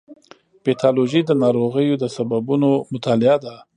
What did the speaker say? پیتالوژي د ناروغیو د سببونو مطالعه ده.